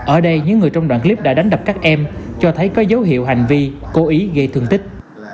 ở đây những người trong đoạn clip đã đánh đập các em cho thấy có dấu hiệu hành vi cố ý gây thương tích